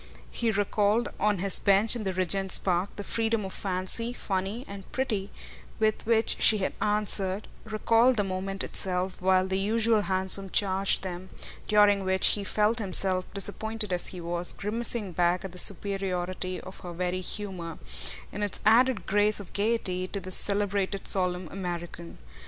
He recalled, on his bench in the Regent's Park, the freedom of fancy, funny and pretty, with which she had answered; recalled the moment itself, while the usual hansom charged them, during which he felt himself, disappointed as he was, grimacing back at the superiority of her very "humour," in its added grace of gaiety, to the celebrated solemn American.